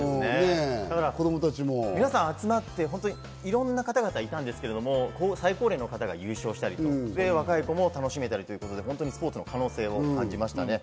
子供たちも皆さん集まっていろんな方々がいたんですけれども、最高齢の方が優勝したりと若い子も楽しめたりとスポーツの可能性を感じましたね。